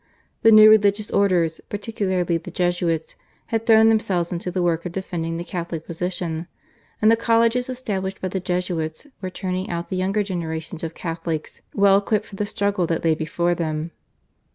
The new religious orders, particularly the Jesuits, had thrown themselves into the work of defending the Catholic position, and the colleges established by the Jesuits were turning out the younger generation of Catholics well equipped for the struggle that lay before them.